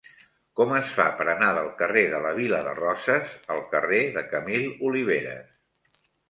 Com es fa per anar del carrer de la Vila de Roses al carrer de Camil Oliveras?